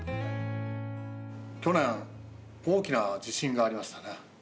去年大きな地震がありましたね。